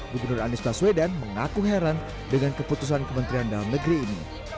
gubernur anies baswedan mengaku heran dengan keputusan kementerian dalam negeri ini